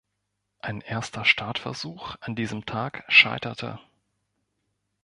Ein erster Startversuch an diesem Tag scheiterte.